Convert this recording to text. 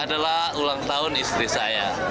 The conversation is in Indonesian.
adalah ulang tahun istri saya